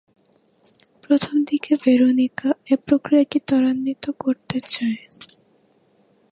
প্রথমদিকে ভেরোনিকা এ প্রক্রিয়াটি ত্বরান্বিত করতে চায়।